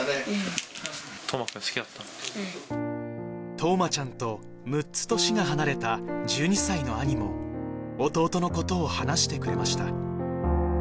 冬生ちゃんと６つ年が離れた１２歳の兄も、弟のことを話してくれました。